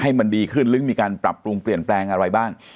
ให้มันดีขึ้นหรือมีการปรับปรุงเปลี่ยนแปลงอะไรบ้าง